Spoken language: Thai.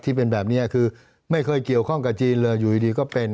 ที่เป็นแบบนี้คือไม่เคยเกี่ยวข้องกับจีนเลยอยู่ดีก็เป็น